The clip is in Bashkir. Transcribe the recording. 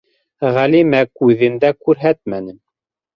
Ғәлимә күҙен дә күрһәтмәне.